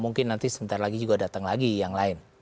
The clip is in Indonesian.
mungkin nanti sebentar lagi juga datang lagi yang lain